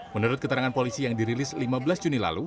menurut keterangan polisi yang dirilis lima belas juni lalu